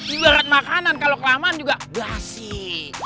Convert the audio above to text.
ibarat makanan kalau kelamaan juga glasik